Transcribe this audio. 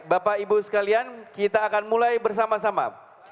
bapak ibu sekalian kita akan mulai bersama sama